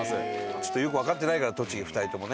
ちょっとよくわかってないから栃木２人ともね。